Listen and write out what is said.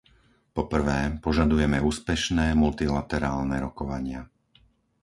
Po prvé, požadujeme úspešné multilaterálne rokovania.